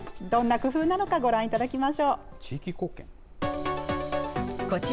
どんな工夫なのか、ご覧いただき地域貢献？